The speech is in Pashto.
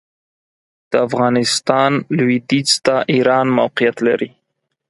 د افغانستان لوېدیځ ته ایران موقعیت لري.